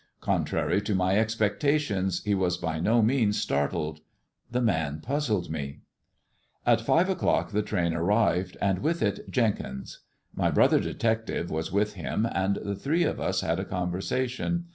Contrary to my expectations, he was by no means startled. The man puzzled me. At five o'clock the train arrived, and with it Jenkins. My brother detective was with him,* and the three of us had a conversation.